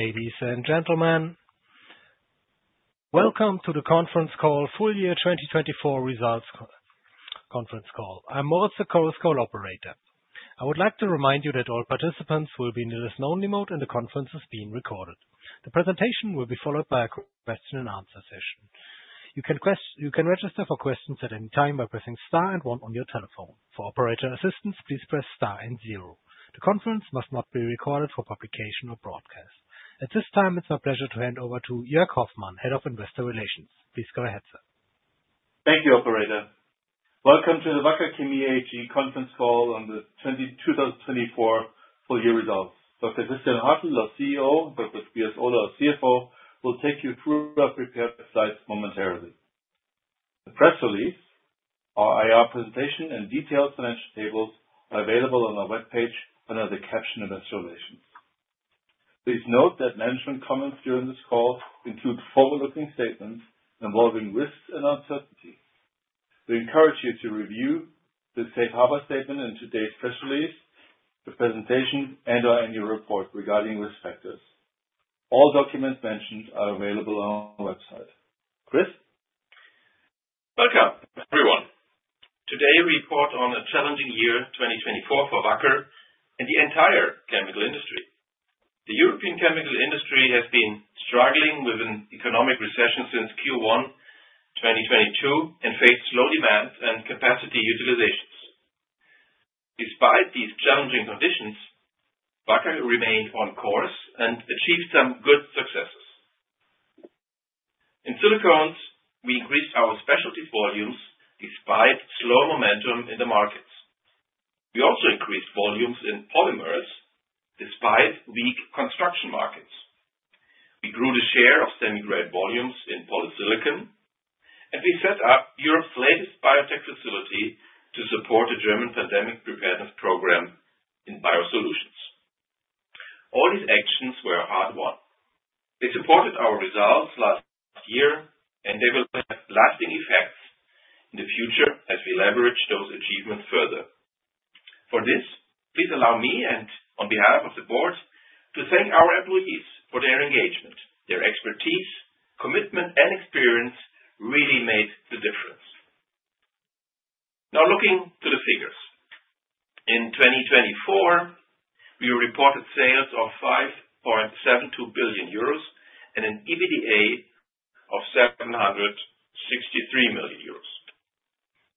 Ladies and gentlemen, welcome to the conference call, full year 2024 results conference call. I'm Moritz, the call operator. I would like to remind you that all participants will be in the listen-only mode, and the conference is being recorded. The presentation will be followed by a question-and-answer session. You can register for questions at any time by pressing star and one on your telephone. For operator assistance, please press star and zero. The conference must not be recorded for publication or broadcast. At this time, it's my pleasure to hand over to Joerg Hoffmann, Head of Investor Relations. Please go ahead, sir. Thank you, operator. Welcome to the Wacker Chemie AG conference call on the 2024 full year results. Dr. Christian Hartel, our CEO, and Dr. Tobias Ohler, our CFO, will take you through our prepared slides momentarily. The press release, our IR presentation, and detailed financial tables are available on our web page under the caption investor relations. Please note that management comments during this call include forward-looking statements involving risks and uncertainty. We encourage you to review the safe harbor statement in today's press release, the presentation, and our annual report regarding risk factors. All documents mentioned are available on our website. Chris? Welcome, everyone. Today, we report on a challenging year 2024 for Wacker and the entire chemical industry. The European chemical industry has been struggling with an economic recession since Q1 2022 and faced slow demand and capacity utilizations. Despite these challenging conditions, Wacker remained on course and achieved some good successes. In silicones, we increased our specialties volumes despite slow momentum in the markets. We also increased volumes in polymers despite weak construction markets. We grew the share of semi-grade volumes in polysilicon, and we set up Europe's latest biotech facility to support the German pandemic preparedness program in biosolutions. All these actions were a hard one. They supported our results last year, and they will have lasting effects in the future as we leverage those achievements further. For this, please allow me and, on behalf of the board, to thank our employees for their engagement. Their expertise, commitment, and experience really made the difference. Now, looking to the figures. In 2024, we reported sales of 5.72 billion euros and an EBITDA of 763 million euros.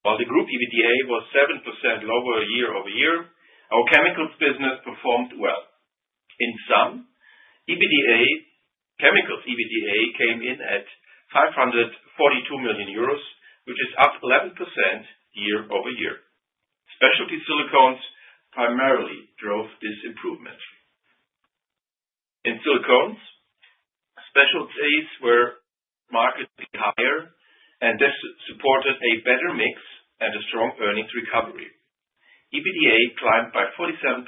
While the group EBITDA was 7% lower year over year, our chemicals business performed well. In sum, chemicals EBITDA came in at 542 million euros, which is up 11% year over year. Specialty silicones primarily drove this improvement. In silicones, specialties were markedly higher, and this supported a better mix and a strong earnings recovery. EBITDA climbed by 47%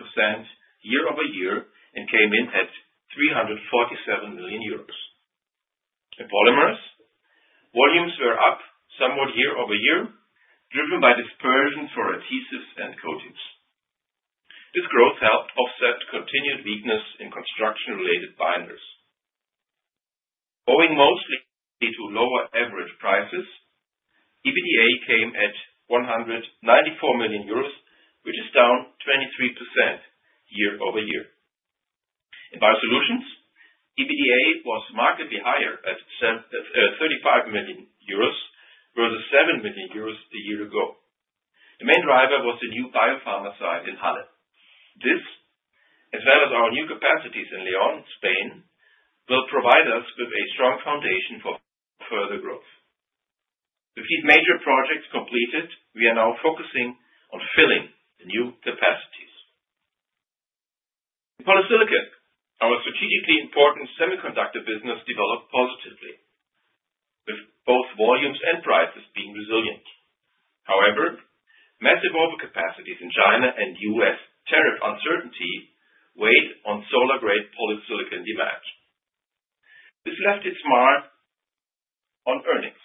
year over year and came in at 347 million euros. In polymers, volumes were up somewhat year over year, driven by dispersions for adhesives and coatings. This growth helped offset continued weakness in construction-related binders. Owing mostly to lower average prices, EBITDA came at 194 million euros, which is down 23% year over year. In biosolutions, EBITDA was markedly higher at 35 million euros, worth 7 million euros the year ago. The main driver was the new biopharma site in Halle. This, as well as our new capacities in León, Spain, will provide us with a strong foundation for further growth. With these major projects completed, we are now focusing on filling the new capacities. In polysilicon, our strategically important semiconductor business developed positively, with both volumes and prices being resilient. However, massive overcapacities in China and U.S. tariff uncertainty weighed on solar-grade polysilicon demand. This left its mark on earnings.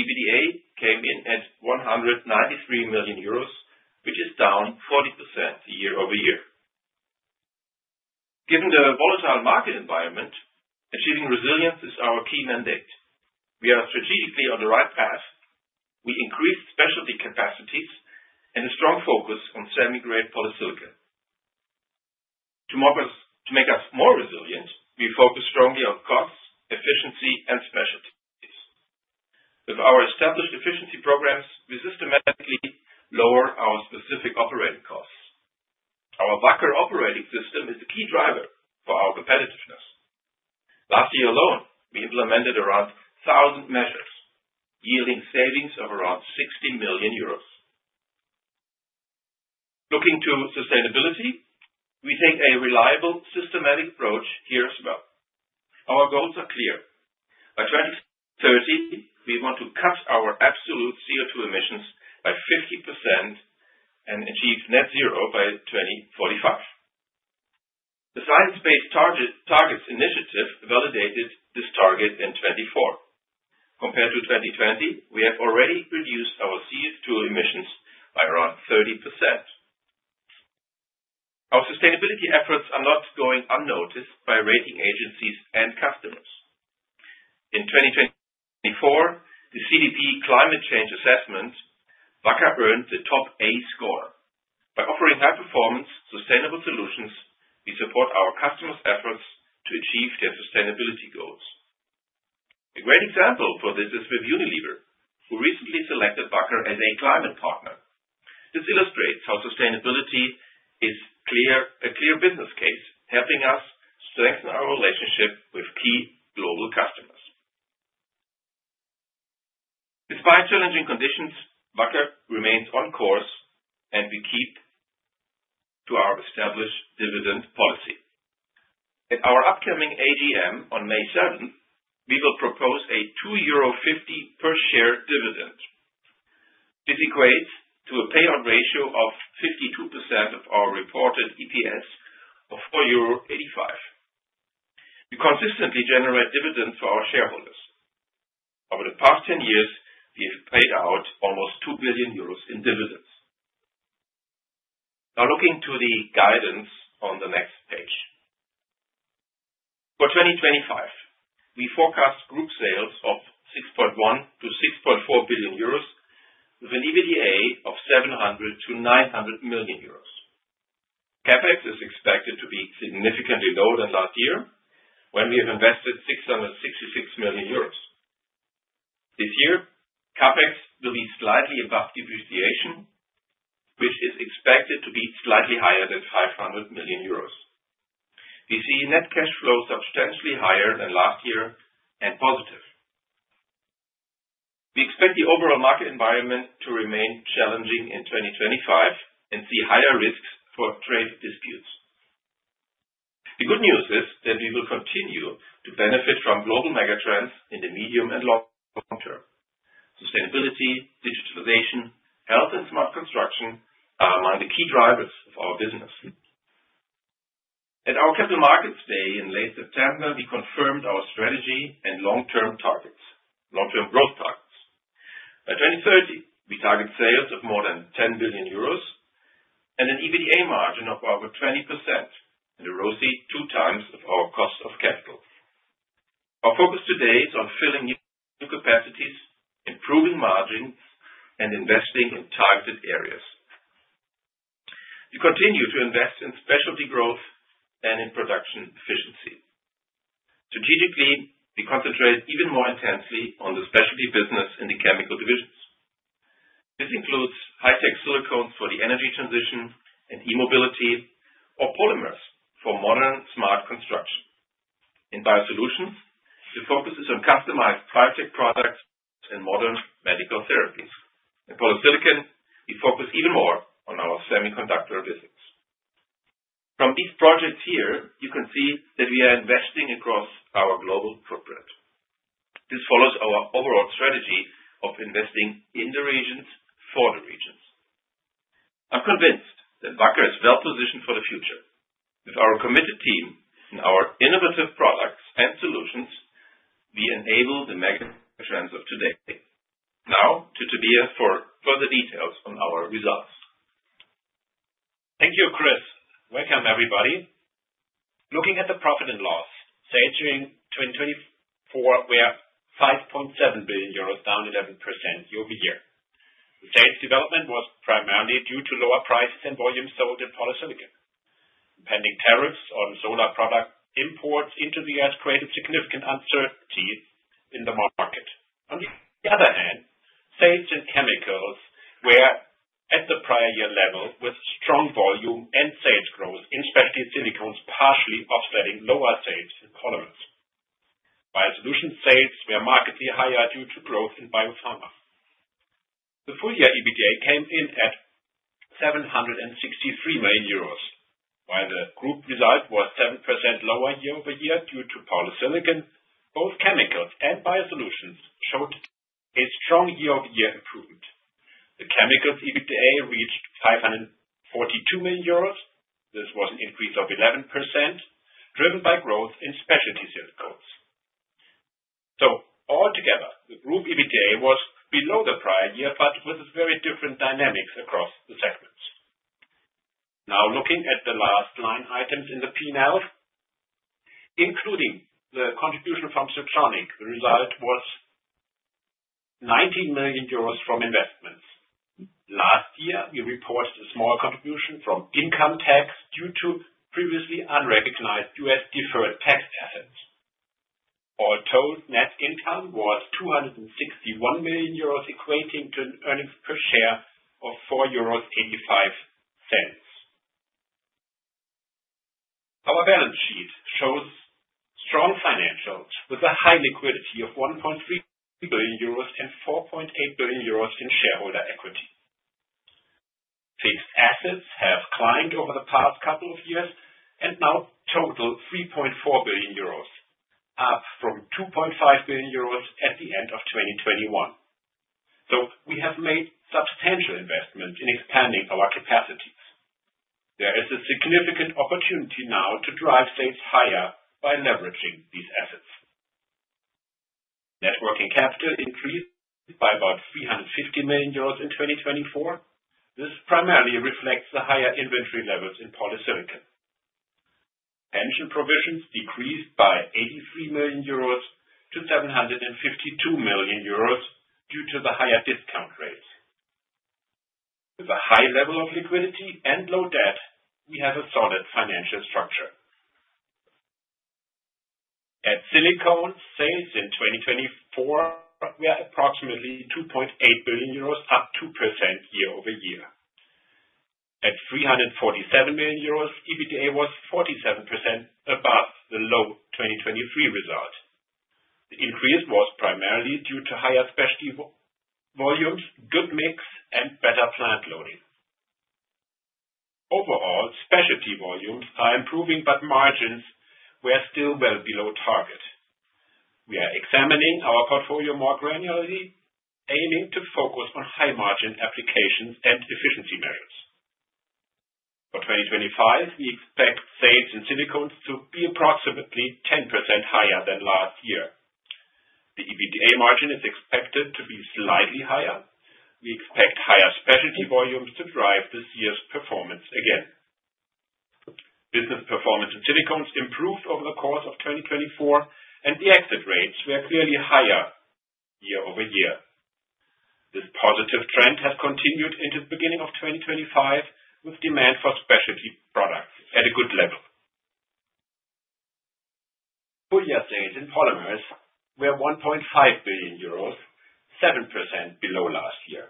EBITDA came in at 193 million euros, which is down 40% year over year. Given the volatile market environment, achieving resilience is our key mandate. We are strategically on the right path. We increased specialty capacities and a strong focus on semi-grade polysilicon. To make us more resilient, we focus strongly on cost, efficiency, and specialties. With our established efficiency programs, we systematically lower our specific operating costs. Our Wacker Operating System is the key driver for our competitiveness. Last year alone, we implemented around 1,000 measures, yielding savings of around 60 million euros. Looking to sustainability, we take a reliable, systematic approach here as well. Our goals are clear. By 2030, we want to cut our absolute CO2 emissions by 50% and achieve net zero by 2045. The Science Based Targets initiative validated this target in 2024. Compared to 2020, we have already reduced our CO2 emissions by around 30%. Our sustainability efforts are not going unnoticed by rating agencies and customers. In 2024, the CDP Climate Change Assessment, Wacker earned the top A score. By offering high-performance, sustainable solutions, we support our customers' efforts to achieve their sustainability goals. A great example for this is with Unilever, who recently selected Wacker as a climate partner. This illustrates how sustainability is a clear business case, helping us strengthen our relationship with key global customers. Despite challenging conditions, Wacker remains on course, and we keep to our established dividend policy. At our upcoming AGM on May 7, we will propose a 2.50 euro per share dividend. This equates to a payout ratio of 52% of our reported EPS of 4.85 euro. We consistently generate dividends for our shareholders. Over the past 10 years, we have paid out almost 2 billion euros in dividends. Now, looking to the guidance on the next page. For 2025, we forecast group sales of 6.1 billion-6.4 billion euros, with an EBITDA of 700 million-900 million euros. CapEx is expected to be significantly lower than last year, when we have invested 666 million euros. This year, CapEx will be slightly above depreciation, which is expected to be slightly higher than 500 million euros. We see net cash flow substantially higher than last year and positive. We expect the overall market environment to remain challenging in 2025 and see higher risks for trade disputes. The good news is that we will continue to benefit from global megatrends in the medium and long term. Sustainability, digitalization, health, and smart construction are among the key drivers of our business. At our capital markets day in late September, we confirmed our strategy and long-term growth targets. By 2030, we target sales of more than 10 billion euros and an EBITDA margin of over 20%, an erosive two times of our cost of capital. Our focus today is on filling new capacities, improving margins, and investing in targeted areas. We continue to invest in specialty growth and in production efficiency. Strategically, we concentrate even more intensely on the specialty business in the chemical divisions. This includes high-tech silicones for the energy transition and e-mobility, or polymers for modern smart construction. In biosolutions, the focus is on customized biotech products and modern medical therapies. In polysilicon, we focus even more on our semiconductor business. From these projects here, you can see that we are investing across our global footprint. This follows our overall strategy of investing in the regions for the regions. I'm convinced that Wacker is well positioned for the future. With our committed team and our innovative products and solutions, we enable the megatrends of today. Now, to Tobias for further details on our results. Thank you, Chris. Wacker, everybody. Looking at the profit and loss, sales during 2024 were 5.7 billion euros, down 11% year over year. The sales development was primarily due to lower prices and volumes sold in polysilicon. Impending tariffs on solar product imports into the U.S. created significant uncertainty in the market. On the other hand, sales in chemicals were at the prior year level with strong volume and sales growth, in specialty silicones partially offsetting lower sales in polymers. Biosolution sales were markedly higher due to growth in biopharma. The full year EBITDA came in at 763 million euros, while the group result was 7% lower year over year due to polysilicon. Both chemicals and biosolutions showed a strong year-over-year improvement. The chemicals EBITDA reached 542 million euros. This was an increase of 11%, driven by growth in specialty silicones. Altogether, the group EBITDA was below the prior year, but with very different dynamics across the segments. Now, looking at the last line items in the P&L, including the contribution from Siltronic, the result was 19 million euros from investments. Last year, we reported a small contribution from income tax due to previously unrecognized U.S. deferred tax assets. All told, net income was 261 million euros, equating to an earnings per share of 4.85 euros. Our balance sheet shows strong financials with a high liquidity of 1.3 billion euros and 4.8 billion euros in shareholder equity. Fixed assets have climbed over the past couple of years and now total 3.4 billion euros, up from 2.5 billion euros at the end of 2021. We have made substantial investments in expanding our capacities. There is a significant opportunity now to drive sales higher by leveraging these assets. Net working capital increased by about 350 million euros in 2024. This primarily reflects the higher inventory levels in polysilicon. Pension provisions decreased by 83 million-752 million euros due to the higher discount rates. With a high level of liquidity and low debt, we have a solid financial structure. At silicone sales in 2024 were approximately 2.8 billion euros, up 2% year over year. At 347 million euros, EBITDA was 47% above the low 2023 result. The increase was primarily due to higher specialty volumes, good mix, and better plant loading. Overall, specialty volumes are improving, but margins were still well below target. We are examining our portfolio more granularly, aiming to focus on high-margin applications and efficiency measures. For 2025, we expect sales in silicones to be approximately 10% higher than last year. The EBITDA margin is expected to be slightly higher. We expect higher specialty volumes to drive this year's performance again. Business performance in silicones improved over the course of 2024, and the exit rates were clearly higher year over year. This positive trend has continued into the beginning of 2025, with demand for specialty products at a good level. Full year sales in polymers were 1.5 billion euros, 7% below last year.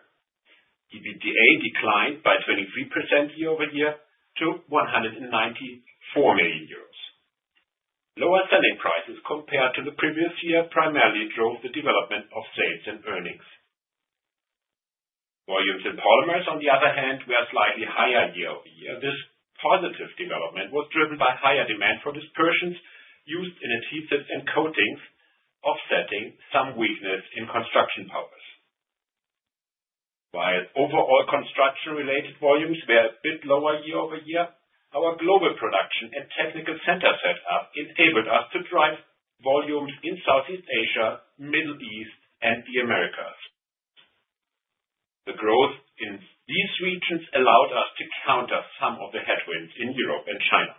EBITDA declined by 23% year over year to 194 million euros. Lower selling prices compared to the previous year primarily drove the development of sales and earnings. Volumes in polymers, on the other hand, were slightly higher year over year. This positive development was driven by higher demand for dispersions used in adhesives and coatings, offsetting some weakness in construction powders. While overall construction-related volumes were a bit lower year over year, our global production and technical center setup enabled us to drive volumes in Southeast Asia, Middle East, and the Americas. The growth in these regions allowed us to counter some of the headwinds in Europe and China.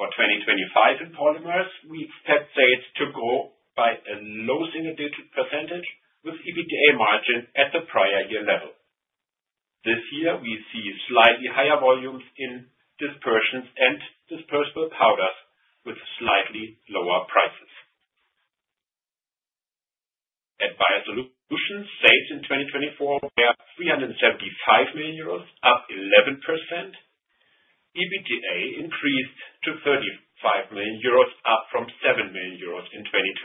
For 2025 in polymers, we expect sales to grow by a low single-digit %, with EBITDA margin at the prior year level. This year, we see slightly higher volumes in dispersions and dispersible powders, with slightly lower prices. At biosolutions, sales in 2024 were 375 million euros, up 11%. EBITDA increased to 35 million euros, up from 7 million euros in 2023.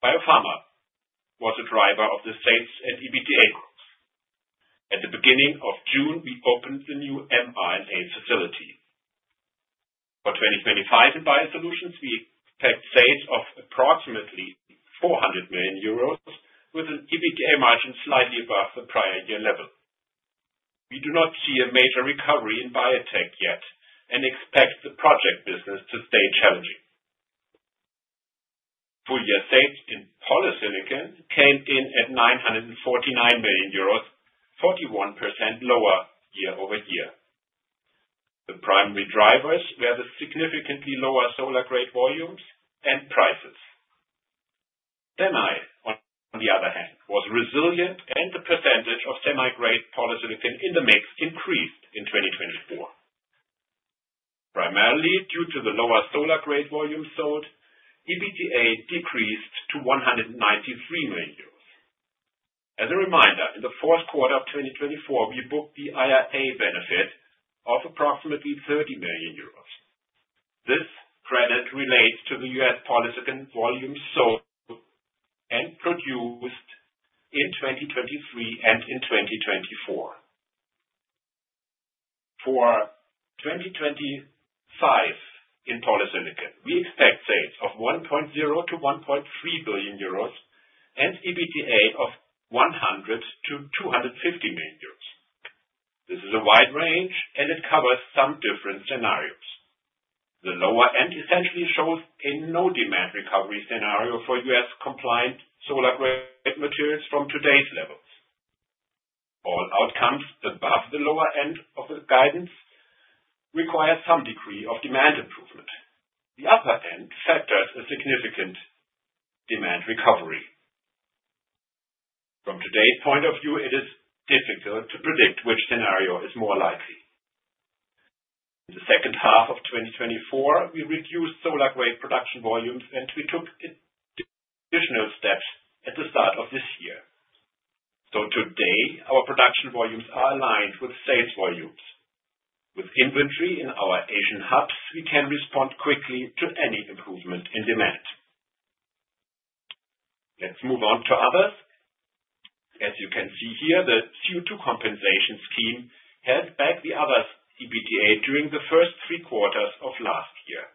Biopharma was a driver of the sales and EBITDA growth. At the beginning of June, we opened the new mRNA facility. For 2025 in biosolutions, we expect sales of approximately 400 million euros, with an EBITDA margin slightly above the prior year level. We do not see a major recovery in biotech yet and expect the project business to stay challenging. Full year sales in polysilicon came in at 949 million euros, 41% lower year over year. The primary drivers were the significantly lower solar-grade volumes and prices. Semi, on the other hand, was resilient, and the percentage of semi-grade polysilicon in the mix increased in 2024. Primarily due to the lower solar-grade volumes sold, EBITDA decreased to 193 million euros. As a reminder, in the fourth quarter of 2024, we booked the IRA benefit of approximately 30 million euros. This credit relates to the U.S. polysilicon volumes sold and produced in 2023 and in 2024. For 2025 in polysilicon, we expect sales of 1.0-1.3 billion euros and EBITDA of 100-250 million euros. This is a wide range, and it covers some different scenarios. The lower end essentially shows a no-demand recovery scenario for U.S.-compliant solar-grade materials from today's levels. All outcomes above the lower end of the guidance require some degree of demand improvement. The upper end factors a significant demand recovery. From today's point of view, it is difficult to predict which scenario is more likely. In the second half of 2024, we reduced solar-grade production volumes, and we took additional steps at the start of this year. Today, our production volumes are aligned with sales volumes. With inventory in our Asian hubs, we can respond quickly to any improvement in demand. Let's move on to others. As you can see here, the Q2 compensation scheme held back the others' EBITDA during the first three quarters of last year.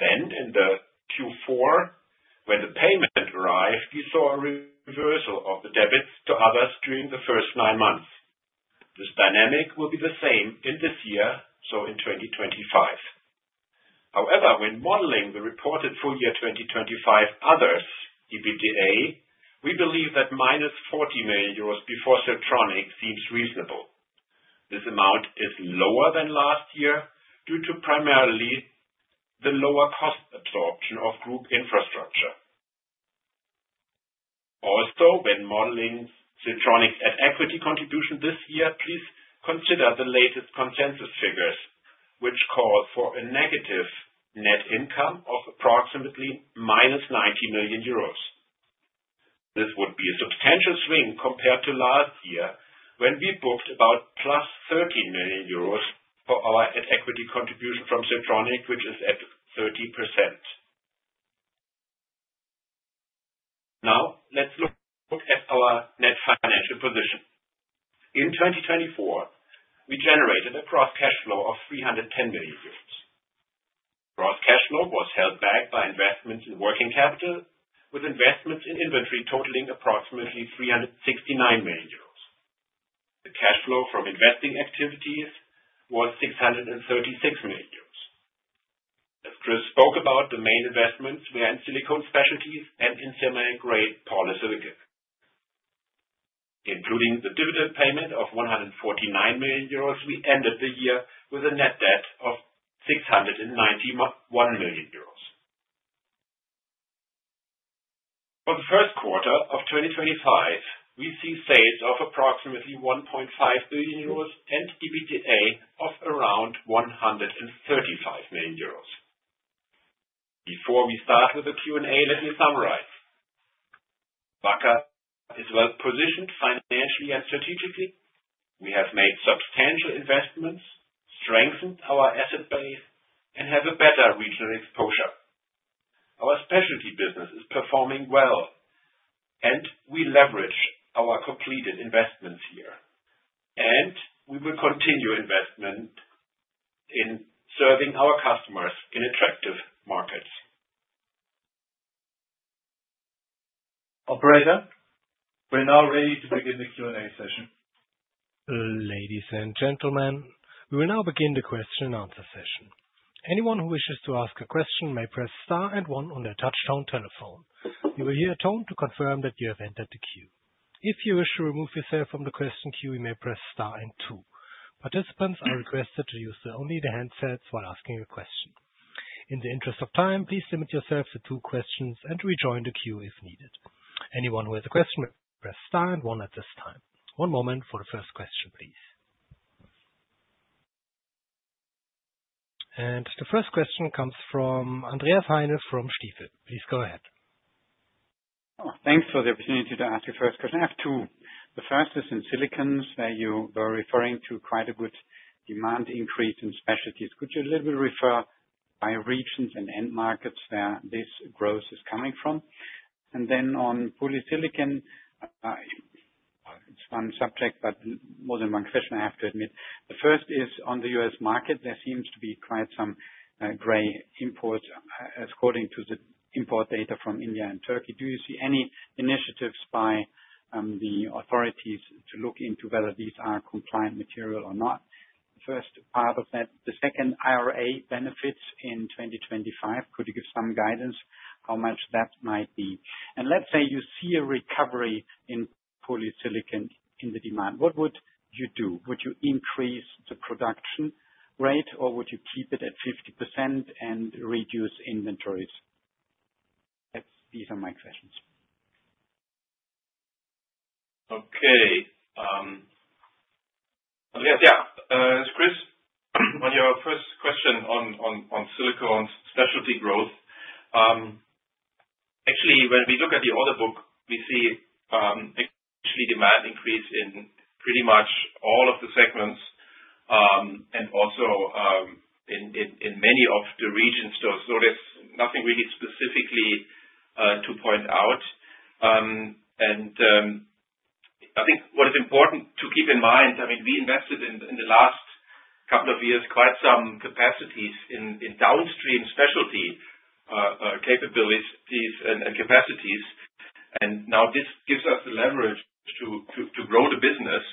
In Q4, when the payment arrived, we saw a reversal of the debits to others during the first nine months. This dynamic will be the same in this year, in 2025. However, when modeling the reported full year 2025 others' EBITDA, we believe that 40 million euros before Siltronic seems reasonable. This amount is lower than last year due to primarily the lower cost absorption of group infrastructure. Also, when modeling Siltronic's equity contribution this year, please consider the latest consensus figures, which call for a negative net income of approximately 90 million euros. This would be a substantial swing compared to last year, when we booked about 30 million euros for our equity contribution from Siltronic, which is at 30%. Now, let's look at our net financial position. In 2024, we generated a gross cash flow of 310 million euros. Gross cash flow was held back by investments in working capital, with investments in inventory totaling approximately 369 million euros. The cash flow from investing activities was 636 million euros. As Chris spoke about, the main investments were in silicone specialties and in semiconductor-grade polysilicon. Including the dividend payment of 149 million euros, we ended the year with a net debt of 691 million euros. For the first quarter of 2025, we see sales of approximately 1.5 billion euros and EBITDA of around 135 million euros. Before we start with the Q&A, let me summarize. Wacker is well positioned financially and strategically. We have made substantial investments, strengthened our asset base, and have a better regional exposure. Our specialty business is performing well, and we leverage our completed investments here. We will continue investment in serving our customers in attractive markets. Operator, we're now ready to begin the Q&A session. Ladies and gentlemen, we will now begin the question-and-answer session. Anyone who wishes to ask a question may press star and one on their touch-tone telephone. You will hear a tone to confirm that you have entered the queue. If you wish to remove yourself from the question queue, you may press star and two. Participants are requested to use only the handsets while asking a question. In the interest of time, please limit yourself to two questions and rejoin the queue if needed. Anyone who has a question may press star and one at this time. One moment for the first question, please. The first question comes from Andreas Heine from Stifel. Please go ahead. Thanks for the opportunity to ask your first question. I have two. The first is in silicones, where you were referring to quite a good demand increase in specialties. Could you a little bit refer by regions and end markets where this growth is coming from? On polysilicon, it's one subject, but more than one question, I have to admit. The first is on the U.S. market, there seems to be quite some gray imports, according to the import data from India and Turkey. Do you see any initiatives by the authorities to look into whether these are compliant material or not? The first part of that. The second, IRA benefits in 2025. Could you give some guidance how much that might be? Let's say you see a recovery in polysilicon in the demand. What would you do? Would you increase the production rate, or would you keep it at 50% and reduce inventories? These are my questions. Okay. Andreas, yeah. This is Chris. On your first question on silicone specialty growth, actually, when we look at the order book, we see actually demand increase in pretty much all of the segments and also in many of the regions. There is nothing really specifically to point out. I think what is important to keep in mind, I mean, we invested in the last couple of years quite some capacities in downstream specialty capabilities and capacities. Now this gives us the leverage to grow the business.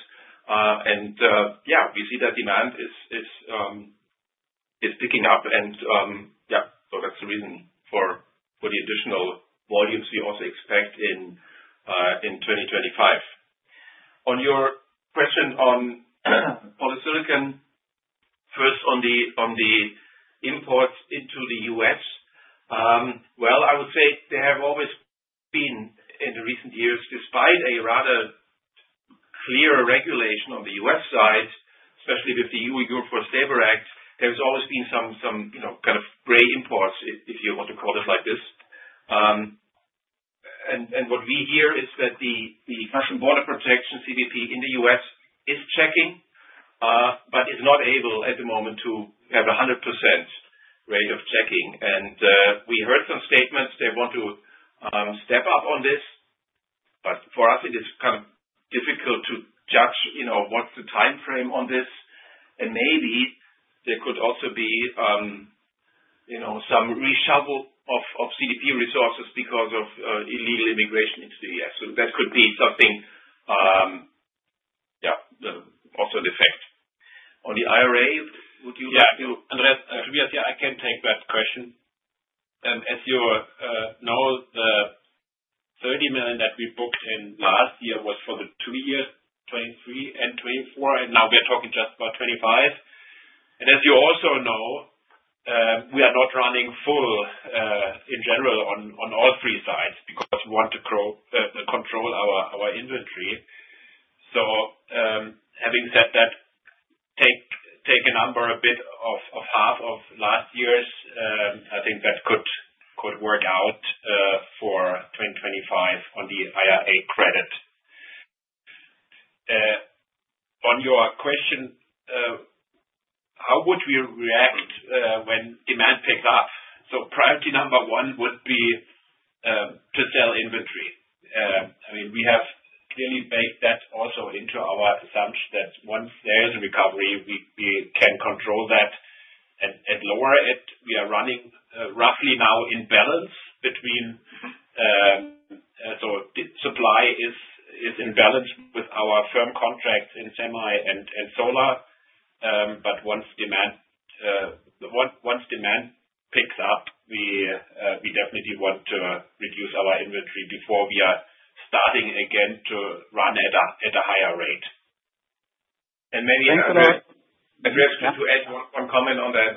Yeah, we see that demand is picking up. Yeah, that is the reason for the additional volumes we also expect in 2025. On your question on polysilicon, first on the imports into the U.S., I would say they have always been in the recent years, despite a rather clear regulation on the U.S. side, especially with the EU Group for Stable Acts, there's always been some kind of gray imports, if you want to call it like this. What we hear is that the National Border Protection CBP in the U.S. is checking, but is not able at the moment to have a 100% rate of checking. We heard some statements they want to step up on this, but for us, it is kind of difficult to judge what's the time frame on this. Maybe there could also be some reshuffle of CBP resources because of illegal immigration into the U.S. That could be something, yeah, also an effect. On the IRA, would you like to? Yeah, Andreas, to be honest, yeah, I can take that question. As you know, the 30 million that we booked in last year was for the two years, 2023 and 2024, and now we're talking just about 2025. As you also know, we are not running full in general on all three sites because we want to control our inventory. Having said that, take a number, a bit of half of last year's, I think that could work out for 2025 on the IRA credit. On your question, how would we react when demand picks up? Priority number one would be to sell inventory. I mean, we have clearly baked that also into our assumption that once there is a recovery, we can control that and lower it. We are running roughly now in balance between, so supply is in balance with our firm contracts in semi and solar. Once demand picks up, we definitely want to reduce our inventory before we are starting again to run at a higher rate. Maybe Andreas? Yeah, sorry. Andreas, could you add one comment on that?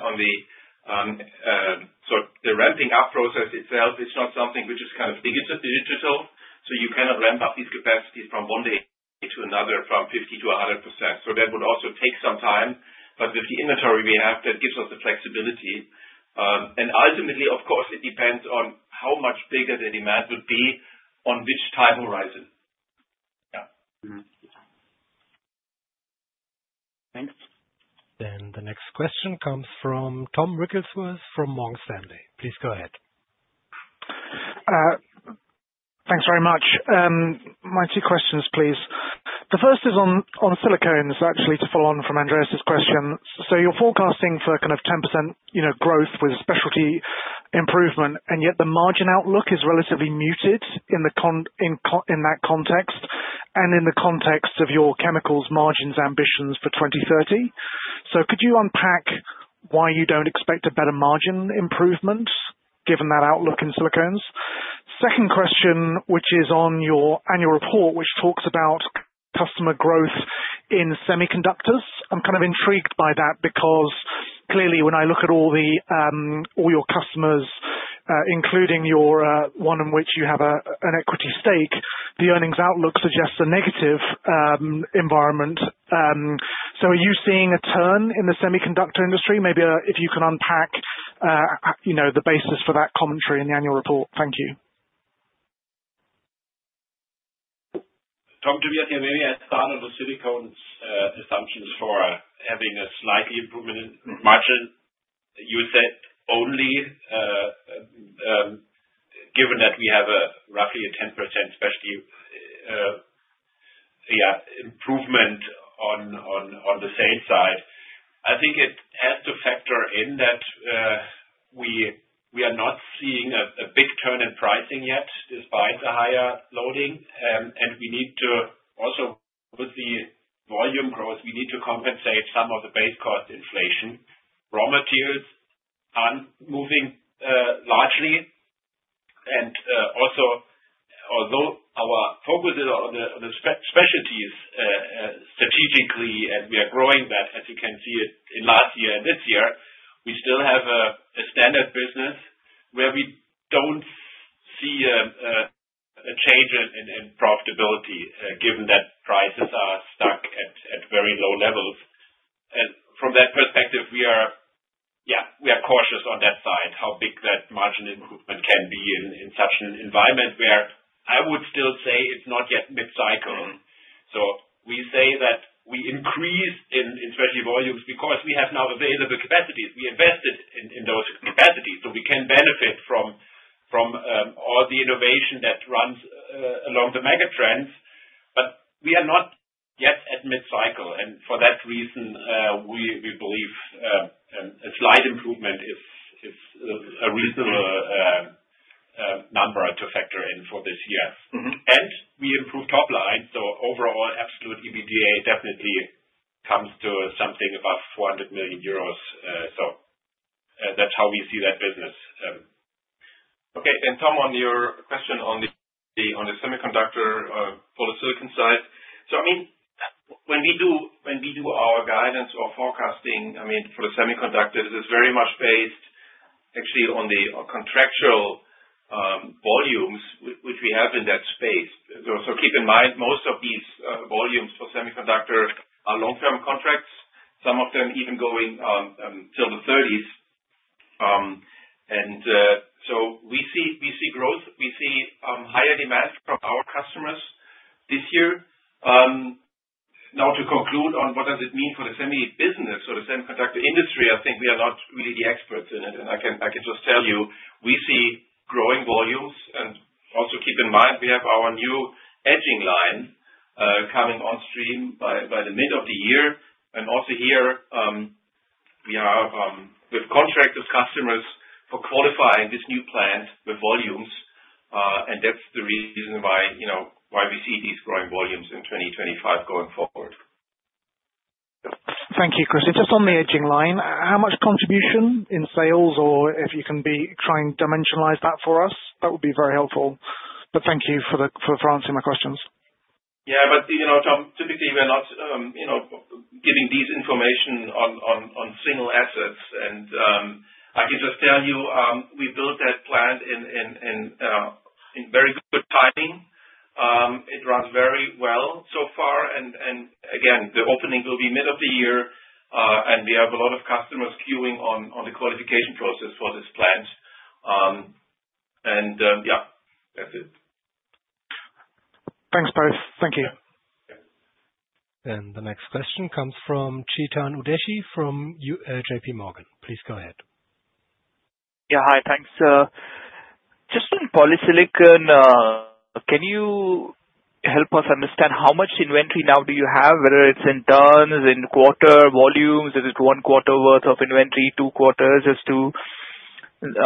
The ramping-up process itself is not something which is kind of digital. You cannot ramp up these capacities from one day to another, from 50%-100%. That would also take some time. With the inventory we have, that gives us the flexibility. Ultimately, of course, it depends on how much bigger the demand would be on which time horizon. Yeah. Thanks. The next question comes from Tom Wrigglesworth from Morgan Stanley. Please go ahead. Thanks very much. My two questions, please. The first is on silicones, actually, to follow on from Andreas's question. You are forecasting for kind of 10% growth with specialty improvement, and yet the margin outlook is relatively muted in that context and in the context of your chemicals margins ambitions for 2030. Could you unpack why you do not expect a better margin improvement given that outlook in silicones? Second question, which is on your annual report, which talks about customer growth in semiconductors. I am kind of intrigued by that because clearly, when I look at all your customers, including your one in which you have an equity stake, the earnings outlook suggests a negative environment. Are you seeing a turn in the semiconductor industry? Maybe if you can unpack the basis for that commentary in the annual report. Thank you. Tom, to be honest, yeah, maybe I start on the silicones assumptions for having a slight improvement in margin. You said only given that we have roughly a 10% specialty, yeah, improvement on the sales side. I think it has to factor in that we are not seeing a big turn in pricing yet, despite the higher loading. We need to also, with the volume growth, compensate some of the base cost inflation. Raw materials are not moving largely. Also, although our focus is on the specialties strategically, and we are growing that, as you can see it in last year and this year, we still have a standard business where we do not see a change in profitability given that prices are stuck at very low levels. From that perspective, yeah, we are cautious on that side, how big that margin improvement can be in such an environment where I would still say it's not yet mid-cycle. We say that we increase in specialty volumes because we have now available capacities. We invested in those capacities, so we can benefit from all the innovation that runs along the megatrends. We are not yet at mid-cycle. For that reason, we believe a slight improvement is a reasonable number to factor in for this year. We improved top line. Overall, absolute EBITDA definitely comes to something above 400 million euros. That's how we see that business. Okay. Tom, on your question on the semiconductor polysilicon side, when we do our guidance or forecasting, for the semiconductors, it is very much based actually on the contractual volumes which we have in that space. Keep in mind, most of these volumes for semiconductor are long-term contracts, some of them even going till the 2030s. We see growth. We see higher demand from our customers this year. To conclude on what does it mean for the semi business or the semiconductor industry, I think we are not really the experts in it. I can just tell you, we see growing volumes. Also keep in mind, we have our new etching line coming on stream by the middle of the year. Also here, we have contracted customers for qualifying this new plant with volumes. That is the reason why we see these growing volumes in 2025 going forward. Thank you, Chris. Just on the etching line, how much contribution in sales, or if you can try and dimensionalize that for us, that would be very helpful. Thank you for answering my questions. Yeah. Tom, typically, we're not giving this information on single assets. I can just tell you, we built that plant in very good timing. It runs very well so far. The opening will be mid of the year. We have a lot of customers queuing on the qualification process for this plant. Yeah, that's it. Thanks, both. Thank you. The next question comes from Chetan Udeshi from JPMorgan. Please go ahead. Yeah. Hi. Thanks. Just on polysilicon, can you help us understand how much inventory now do you have, whether it's in tons, in quarter volumes? Is it one quarter worth of inventory, two quarters? Just to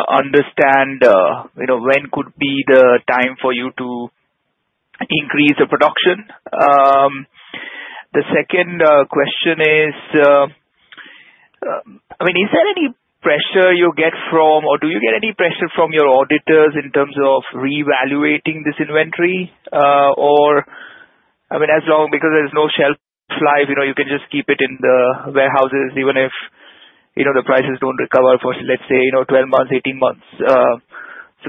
understand when could be the time for you to increase the production. The second question is, I mean, is there any pressure you get from, or do you get any pressure from your auditors in terms of reevaluating this inventory? I mean, as long because there's no shelf life, you can just keep it in the warehouses even if the prices don't recover for, let's say, 12 months, 18 months.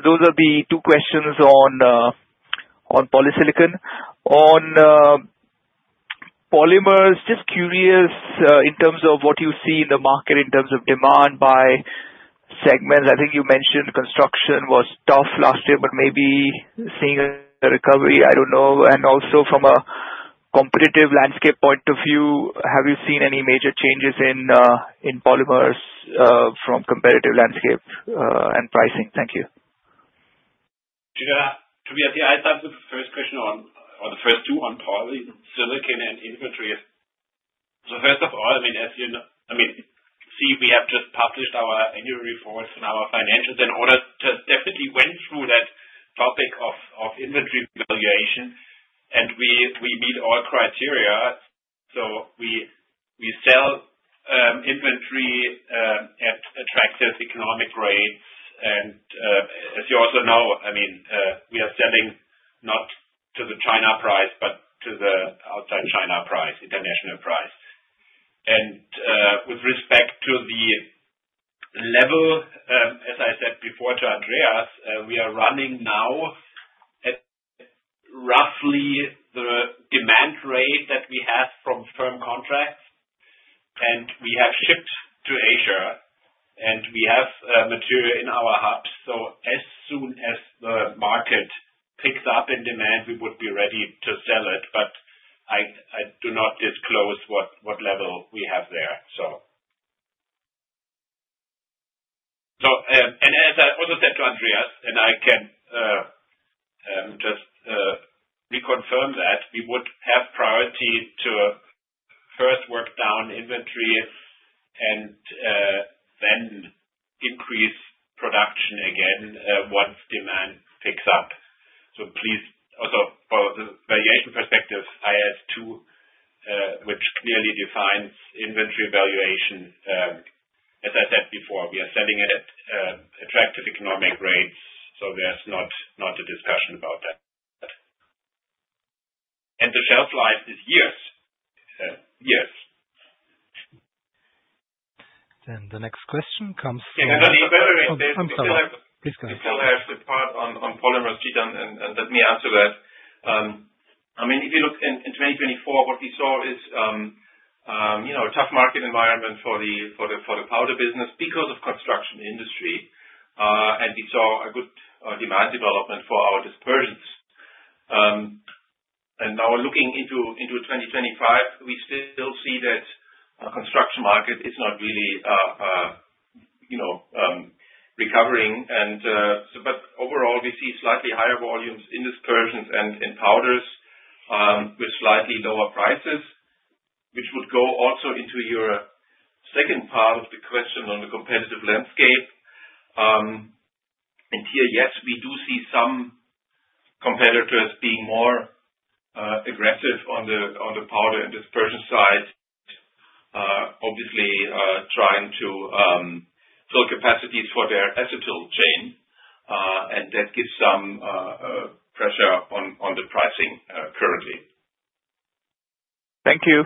Those are the two questions on polysilicon. On polymers, just curious in terms of what you see in the market in terms of demand by segments. I think you mentioned construction was tough last year, but maybe seeing a recovery, I do not know. Also from a competitive landscape point of view, have you seen any major changes in polymers from competitive landscape and pricing? Thank you. To be honest, yeah, I answered the first question on or the first two on polysilicon and inventory. First of all, as you see, we have just published our annual reports and our financials and definitely went through that topic of inventory valuation. We meet all criteria. We sell inventory at attractive economic rates. As you also know, we are selling not to the China price, but to the outside China price, international price. With respect to the level, as I said before to Andreas, we are running now at roughly the demand rate that we have from firm contracts. We have shipped to Asia, and we have material in our hubs. As soon as the market picks up in demand, we would be ready to sell it. I do not disclose what level we have there. As I also said to Andreas, and I can just reconfirm that, we would have priority to first work down inventory and then increase production again once demand picks up. Please, also for the valuation perspective, IAS 2, which clearly defines inventory valuation. As I said before, we are selling at attractive economic rates. There is not a discussion about that. The shelf life is years. Years. The next question comes from. Andreas, please go ahead. Please go ahead. I still have the part on polymers, Chetan, and let me answer that. I mean, if you look in 2024, what we saw is a tough market environment for the powder business because of the construction industry. We saw a good demand development for our dispersions. Now looking into 2025, we still see that the construction market is not really recovering. Overall, we see slightly higher volumes in dispersions and in powders with slightly lower prices, which would go also into your second part of the question on the competitive landscape. Here, yes, we do see some competitors being more aggressive on the powder and dispersion side, obviously trying to fill capacities for their acetyl chain. That gives some pressure on the pricing currently. Thank you.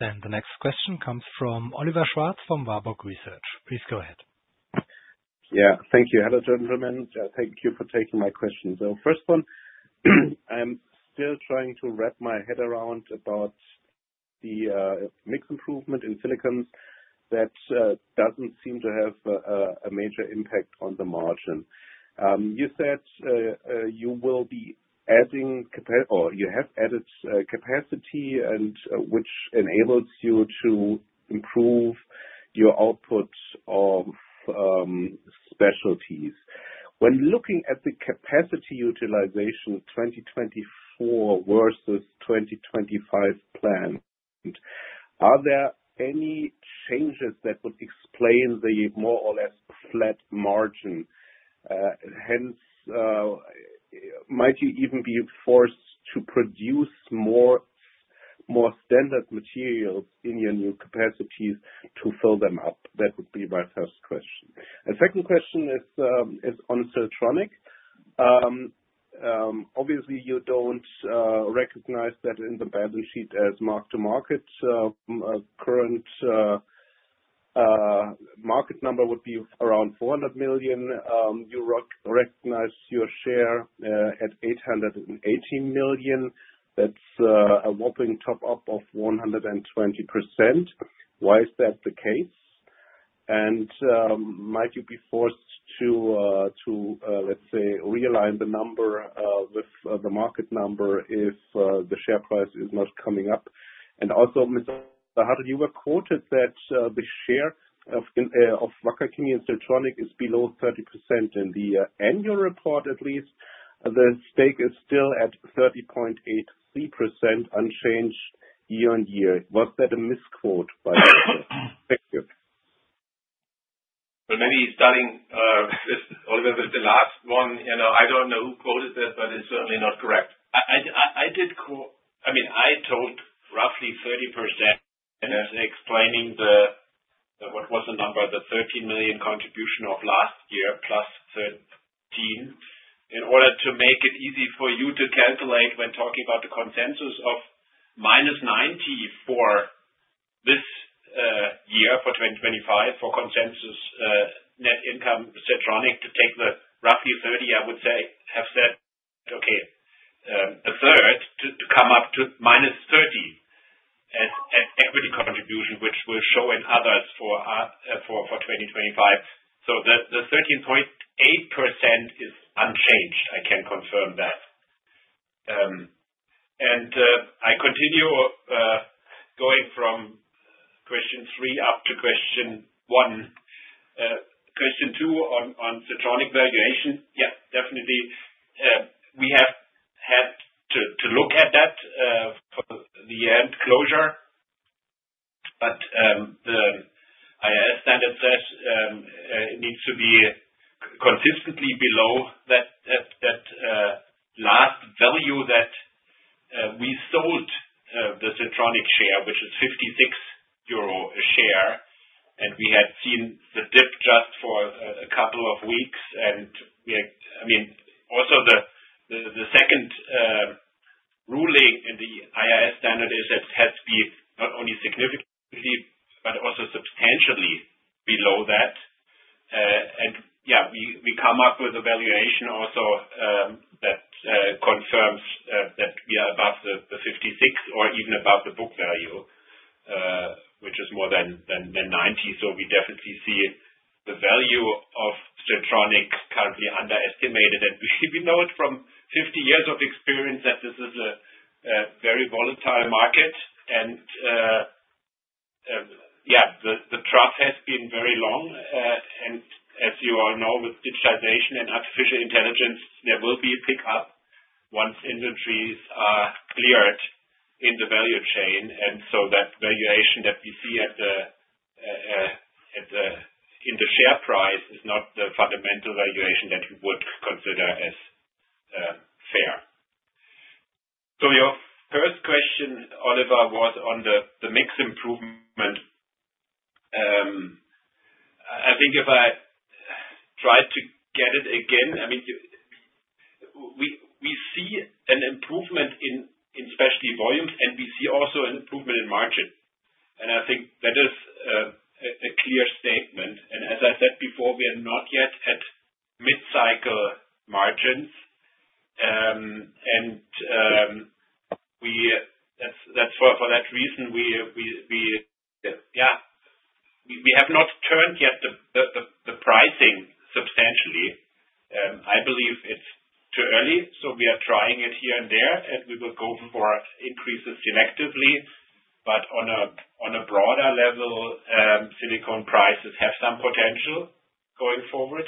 The next question comes from Oliver Schwarz from Warburg Research. Please go ahead. Yeah. Thank you, hello gentlemen. Thank you for taking my question. First one, I'm still trying to wrap my head around about the mix improvement in silicones that doesn't seem to have a major impact on the margin. You said you will be adding or you have added capacity, which enables you to improve your output of specialties. When looking at the capacity utilization 2024 versus 2025 plan, are there any changes that would explain the more or less flat margin? Hence, might you even be forced to produce more standard materials in your new capacities to fill them up? That would be my first question. The second question is on Siltronic. Obviously, you don't recognize that in the balance sheet as marked to market. Current market number would be around 400 million. You recognize your share at 880 million. That's a whopping top up of 120%. Why is that the case? Might you be forced to, let's say, realign the number with the market number if the share price is not coming up? Also, Mr. Hartel, you were quoted that the share of Wacker Chemie and Siltronic is below 30%. In the annual report, at least, the stake is still at 30.83% unchanged year on year. Was that a misquote by you? Thank you. Maybe starting, Oliver, with the last one. I do not know who quoted that, but it is certainly not correct. I did quote, I mean, I told roughly 30% explaining what was the number, the 13 million contribution of last year + 13, in order to make it easy for you to calculate when talking about the consensus of minus 90 for this year for 2025 for consensus net income Siltronic to take the roughly 30, I would say, have said, "Okay, the third to come up to - 30 as equity contribution, which will show in others for 2025." The 13.8% is unchanged. I can confirm that. I continue going from question three up to question one. Question two on Siltronic valuation. Yes, definitely. We have had to look at that for the end closure. The IAS standard says it needs to be consistently below that last value that we sold the Siltronic share, which is 56 euro a share. We had seen the dip just for a couple of weeks. I mean, also the second ruling in the IAS standard is that it has to be not only significantly but also substantially below that. Yeah, we come up with a valuation also that confirms that we are above the 56 or even above the book value, which is more than 90. We definitely see the value of Siltronic currently underestimated. We know it from 50 years of experience that this is a very volatile market. Yeah, the trough has been very long. As you all know, with digitization and artificial intelligence, there will be a pickup once inventories are cleared in the value chain. That valuation that we see in the share price is not the fundamental valuation that we would consider as fair. Your first question, Oliver, was on the mix improvement. I think if I try to get it again, I mean, we see an improvement in specialty volumes, and we see also an improvement in margin. I think that is a clear statement. As I said before, we are not yet at mid-cycle margins. For that reason, we have not turned yet the pricing substantially. I believe it is too early. We are trying it here and there, and we will go for increases selectively. On a broader level, silicone prices have some potential going forward.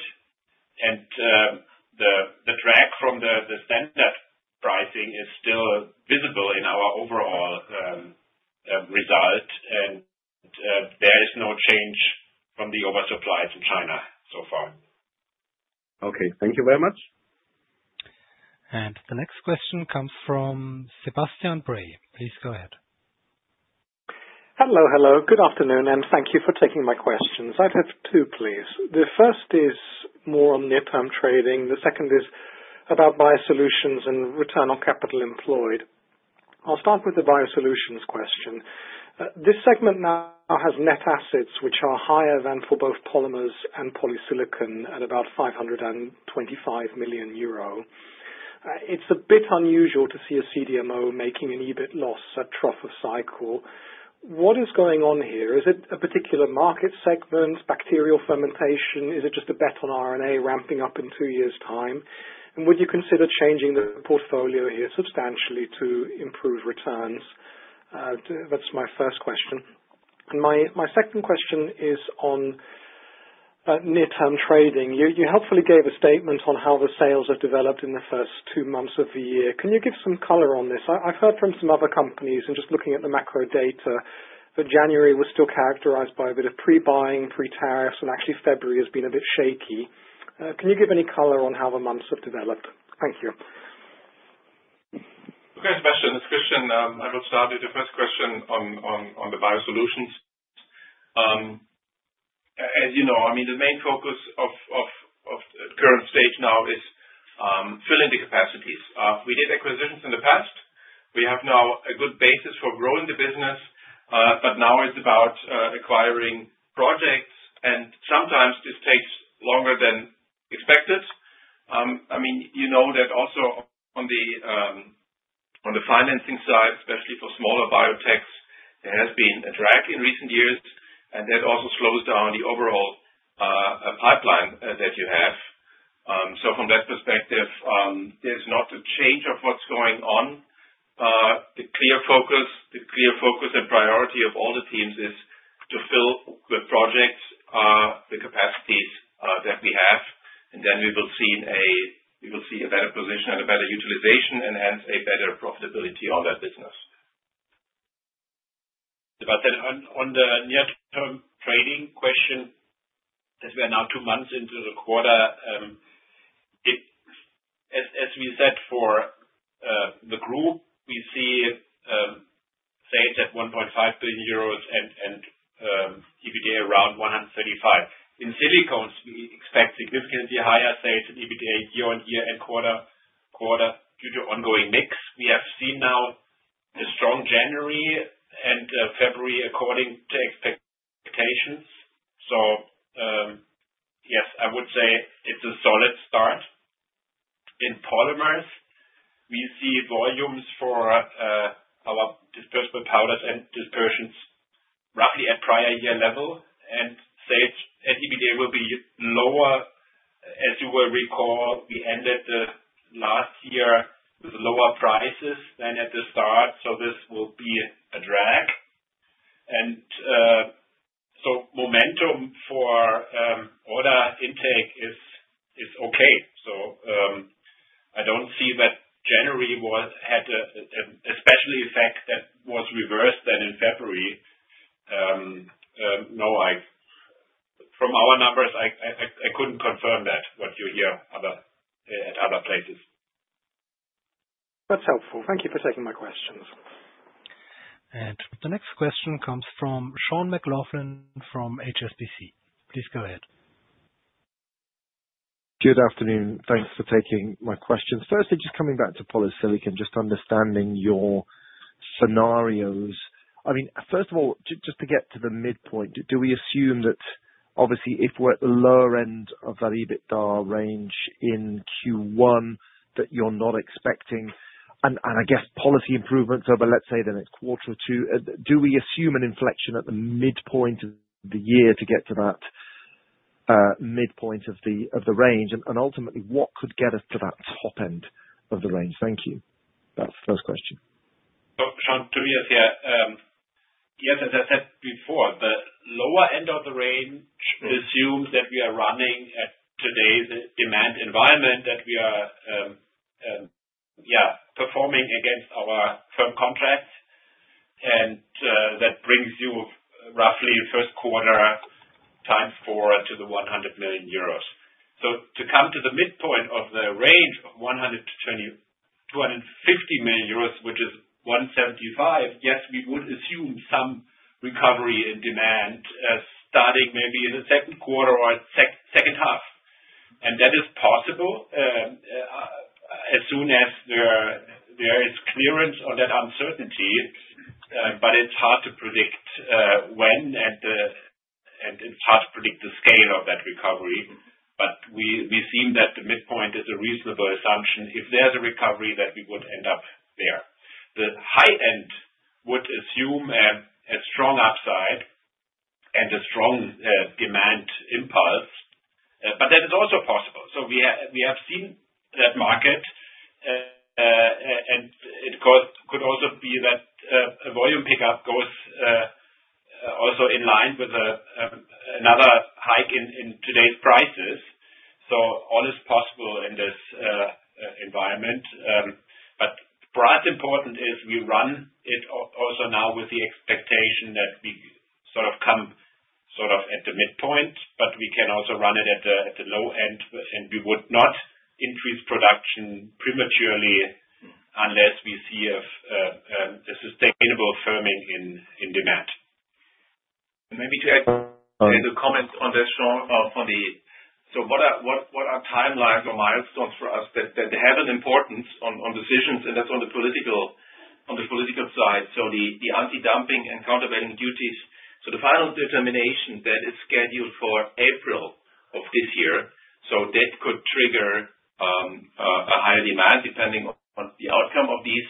The drag from the standard pricing is still visible in our overall result. There is no change from the oversupply to China so far. Okay. Thank you very much. The next question comes from Sebastian Bray. Please go ahead. Hello, hello. Good afternoon, and thank you for taking my questions. I'd have two, please. The first is more on near-term trading. The second is about biosolutions and return on capital employed. I'll start with the biosolutions question. This segment now has net assets which are higher than for both polymers and polysilicon at about 525 million euro. It's a bit unusual to see a CDMO making an EBIT loss at trough of cycle. What is going on here? Is it a particular market segment, bacterial fermentation? Is it just a bet on RNA ramping up in two years' time? Would you consider changing the portfolio here substantially to improve returns? That's my first question. My second question is on near-term trading. You helpfully gave a statement on how the sales have developed in the first two months of the year. Can you give some color on this? I've heard from some other companies, and just looking at the macro data, that January was still characterized by a bit of pre-buying, pre-tariffs, and actually February has been a bit shaky. Can you give any color on how the months have developed? Thank you. Okay, Sebastian. This question, I will start with the first question on the biosolutions. As you know, I mean, the main focus of the current stage now is filling the capacities. We did acquisitions in the past. We have now a good basis for growing the business, but now it's about acquiring projects. Sometimes this takes longer than expected. I mean, you know that also on the financing side, especially for smaller biotechs, there has been a drag in recent years. That also slows down the overall pipeline that you have. From that perspective, there's not a change of what's going on. The clear focus and priority of all the teams is to fill the projects, the capacities that we have. We will see a better position and a better utilization, and hence a better profitability on that business. On the near-term trading question, as we are now two months into the quarter, as we said for the group, we see sales at 1.5 billion euros and EBITDA around 135 million. In silicones, we expect significantly higher sales and EBITDA year on year and quarter due to ongoing mix. We have seen now a strong January and February according to expectations. Yes, I would say it is a solid start. In polymers, we see volumes for our dispersible powders and dispersions roughly at prior year level. Sales and EBITDA will be lower. As you will recall, we ended the last year with lower prices than at the start. This will be a drag. Momentum for order intake is okay. I do not see that January had a specialty effect that was reversed in February. No, from our numbers, I couldn't confirm that what you hear at other places. That's helpful. Thank you for taking my questions. The next question comes from Sean McLoughlin from HSBC. Please go ahead. Good afternoon. Thanks for taking my questions. Firstly, just coming back to polysilicon, just understanding your scenarios. I mean, first of all, just to get to the midpoint, do we assume that obviously if we're at the lower end of that EBITDA range in Q1 that you're not expecting, and I guess policy improvements over, let's say, the next quarter or two, do we assume an inflection at the midpoint of the year to get to that midpoint of the range? Ultimately, what could get us to that top end of the range? Thank you. That's the first question. Sean, to be clear, yes, as I said before, the lower end of the range assumes that we are running at today's demand environment, that we are, yeah, performing against our firm contracts. That brings you roughly first quarter times four to the 100 million euros. To come to the midpoint of the range of 150 million euros, which is 175 million, yes, we would assume some recovery in demand starting maybe in the second quarter or second half. That is possible as soon as there is clearance on that uncertainty. It is hard to predict when, and it is hard to predict the scale of that recovery. We seem that the midpoint is a reasonable assumption. If there is a recovery, then we would end up there. The high end would assume a strong upside and a strong demand impulse. That is also possible. We have seen that market. It could also be that a volume pickup goes also in line with another hike in today's prices. All is possible in this environment. For us, important is we run it also now with the expectation that we sort of come sort of at the midpoint, but we can also run it at the low end. We would not increase production prematurely unless we see a sustainable firming in demand. Maybe to add a comment on that, Sean, for the so what are timelines or milestones for us that have an importance on decisions? That is on the political side. The anti-dumping and countervailing duties, the final determination, that is scheduled for April of this year. That could trigger a higher demand depending on the outcome of these.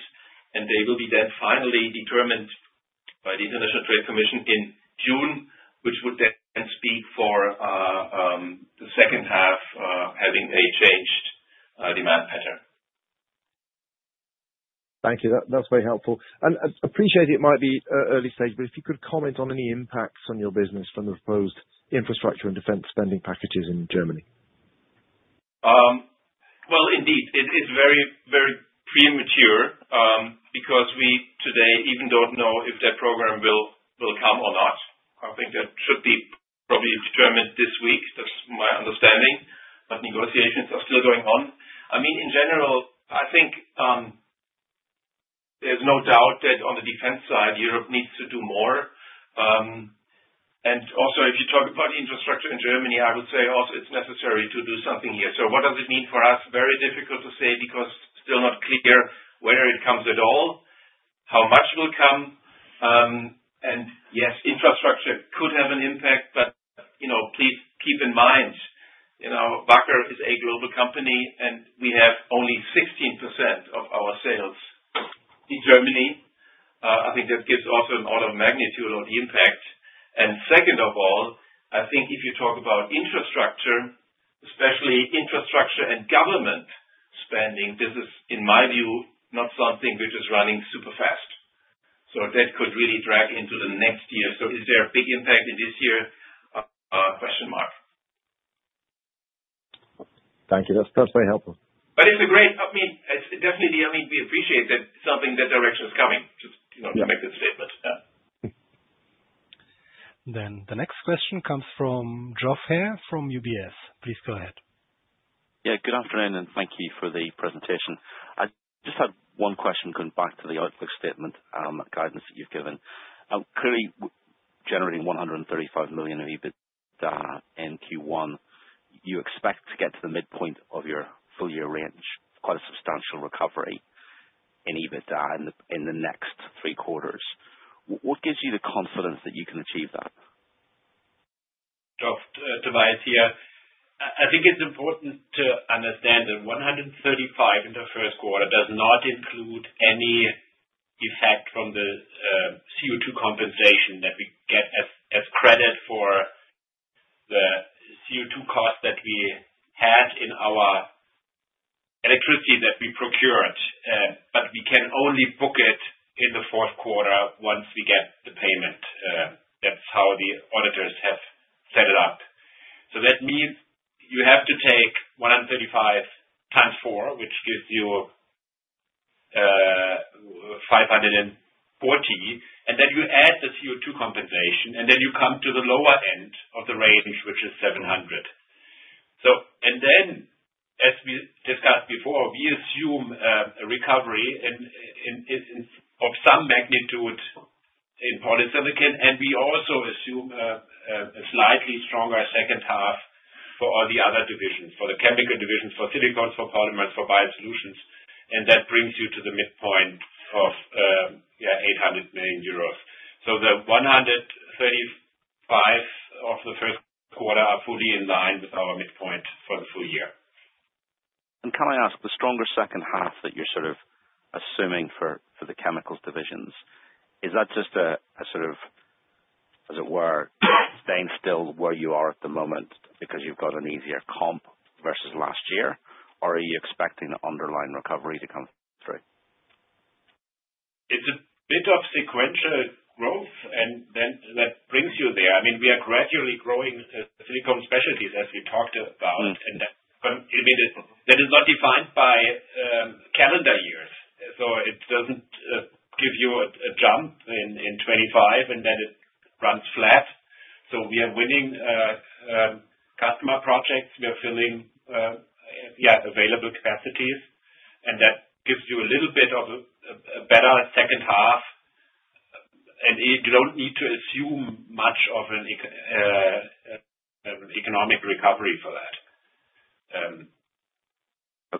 They will be then finally determined by the International Trade Commission in June, which would then speak for the second half having a changed demand pattern. Thank you. That is very helpful. I appreciate it might be early stage, but if you could comment on any impacts on your business from the proposed infrastructure and defense spending packages in Germany. Indeed, it is very, very premature because we today even do not know if that program will come or not. I think that should be probably determined this week. That is my understanding. Negotiations are still going on. I mean, in general, I think there is no doubt that on the defense side, Europe needs to do more. Also, if you talk about infrastructure in Germany, I would say it is necessary to do something here. What does it mean for us? Very difficult to say because it is still not clear whether it comes at all, how much will come. Yes, infrastructure could have an impact, but please keep in mind, Wacker is a global company, and we have only 16% of our sales in Germany. I think that gives also an order of magnitude of the impact. If you talk about infrastructure, especially infrastructure and government spending, this is, in my view, not something which is running super fast. That could really drag into the next year. Is there a big impact in this year? Thank you. That's very helpful. I mean, definitely, I mean, we appreciate that something in that direction is coming just to make that statement. Yeah. The next question comes from Geoff Haire from UBS. Please go ahead. Yeah, good afternoon, and thank you for the presentation. I just had one question going back to the outlook statement, guidance that you've given. Clearly, generating 135 million of EBITDA in Q1, you expect to get to the midpoint of your full-year range, quite a substantial recovery in EBITDA in the next three quarters. What gives you the confidence that you can achieve that? Tobias here. I think it's important to understand that 135 in the first quarter does not include any effect from the CO2 compensation that we get as credit for the CO2 cost that we had in our electricity that we procured. We can only book it in the fourth quarter once we get the payment. That is how the auditors have set it up. That means you have to take 135 times four, which gives you 540. You add the CO2 compensation, and you come to the lower end of the range, which is 700. As we discussed before, we assume a recovery of some magnitude in polysilicon. We also assume a slightly stronger second half for all the other divisions, for the chemical divisions, for silicones, for polymers, for biosolutions. That brings you to the midpoint of 800 million euros. 135 million of the first quarter are fully in line with our midpoint for the full year. Can I ask, the stronger second half that you're sort of assuming for the chemicals divisions, is that just a sort of, as it were, staying still where you are at the moment because you've got an easier comp versus last year? Or are you expecting the underlying recovery to come through? It's a bit of sequential growth, and that brings you there. I mean, we are gradually growing silicone specialties, as we talked about. That is not defined by calendar years. It does not give you a jump in 2025, and then it runs flat. We are winning customer projects. We are filling, yeah, available capacities. That gives you a little bit of a better second half. You do not need to assume much of an economic recovery for that.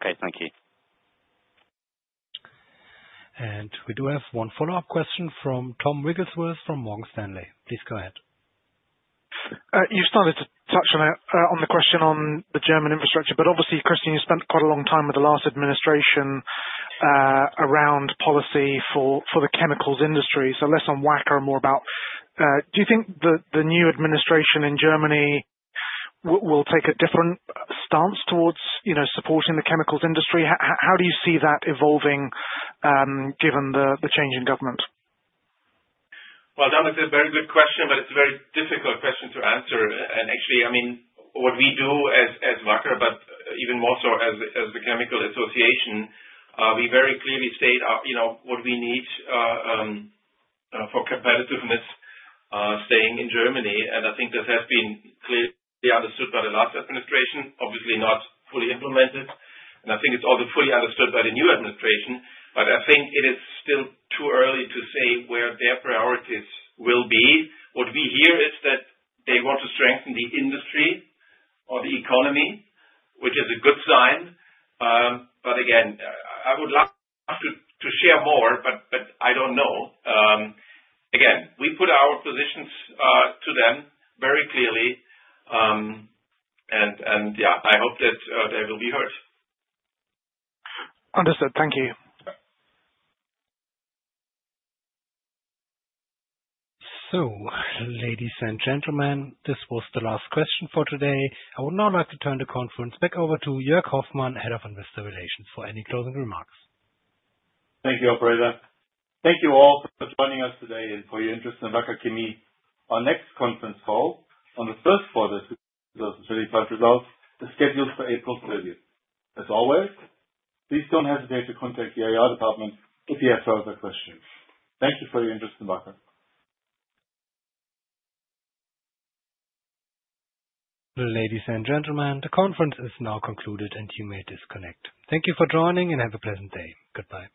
Okay, thank you. We do have one follow-up question from Tom Wrigglesworth from Morgan Stanley. Please go ahead. You started to touch on the question on the German infrastructure. Obviously, Christian, you spent quite a long time with the last administration around policy for the chemicals industry, so less on Wacker and more about do you think the new administration in Germany will take a different stance towards supporting the chemicals industry? How do you see that evolving given the change in government? That was a very good question, but it's a very difficult question to answer. Actually, I mean, what we do as Wacker, but even more so as the chemical association, we very clearly state what we need for competitiveness staying in Germany. I think this has been clearly understood by the last administration, obviously not fully implemented. I think it's also fully understood by the new administration. I think it is still too early to say where their priorities will be. What we hear is that they want to strengthen the industry or the economy, which is a good sign. Again, I would love to share more, but I don't know. Again, we put our positions to them very clearly. I hope that they will be heard. Understood. Thank you. Ladies and gentlemen, this was the last question for today. I would now like to turn the conference back over to Joerg Hoffmann, Head of Investor Relations, for any closing remarks. Thank you, Operator. Thank you all for joining us today and for your interest in Wacker Chemie. Our next conference call on the first quarter 2025 results is scheduled for April 30. As always, please do not hesitate to contact the IR department if you have further questions. Thank you for your interest in Wacker. Ladies and gentlemen, the conference is now concluded, and you may disconnect. Thank you for joining, and have a pleasant day. Goodbye.